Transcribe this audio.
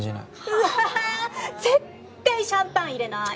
うわははっ絶対シャンパン入れない。